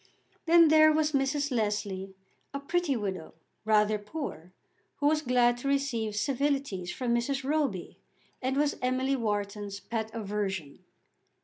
Then there was Mrs. Leslie, a pretty widow, rather poor, who was glad to receive civilities from Mrs. Roby, and was Emily Wharton's pet aversion.